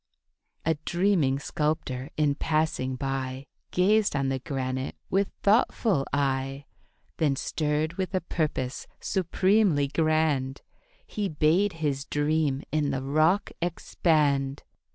A dreaming sculptor in passing by Gazed on the granite with thoughtful eye; Then stirred with a purpose supremely grand He bade his dream in the rock expand.